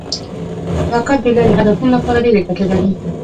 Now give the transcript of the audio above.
راکټ د لرې هدفونو لپاره ډېره ګټه لري